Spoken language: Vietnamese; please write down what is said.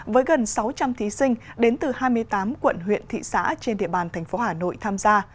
với gần sáu trăm linh thí sinh đến từ hai mươi tám quận huyện thị xã trên địa bàn thành phố hà nội tham gia